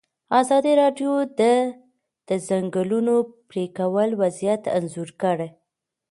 ازادي راډیو د د ځنګلونو پرېکول وضعیت انځور کړی.